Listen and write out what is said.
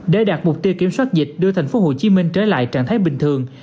để đạt mục tiêu kiểm soát dịch đưa thành phố hồ chí minh trở lại trạng thái bình thường